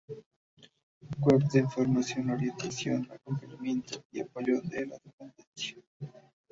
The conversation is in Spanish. Web de información, orientación, acompañamiento y apoyo a la dependencia.